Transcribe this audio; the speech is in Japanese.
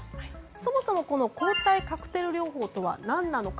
そもそも抗体カクテル療法とは何なのか。